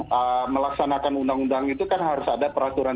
dan melaksanakan undang undang itu kan harus ada peraturan